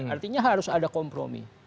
artinya harus ada kompromi